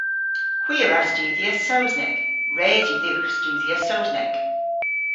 Hwi a wra studhya Sowsnek. Res yw dhywgh studhya Sowsnek.